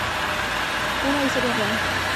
Una historia real.